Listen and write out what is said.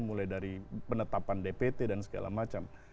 mulai dari penetapan dpt dan segala macam